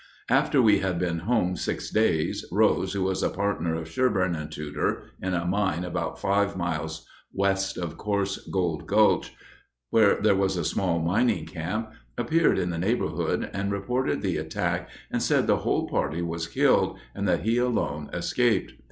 After we had been home six days, Rose, who was a partner of Sherburn and Tudor in a mine about five miles west of Coarse Gold Gulch, where there was a small mining camp, appeared in the neighborhood and reported the attack and said the whole party was killed, and that he alone escaped.